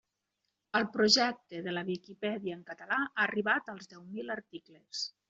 El projecte de la Viquipèdia en català ha arribat als deu mil articles.